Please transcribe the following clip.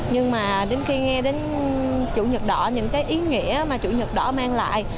nhưng mà đến khi nghe đến chủ nhật đỏ những cái ý nghĩa mà chủ nhật đỏ mang lại